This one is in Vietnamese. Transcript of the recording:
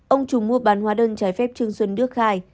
ông trùng mua bán hóa đơn trái phép trương xuân đức khai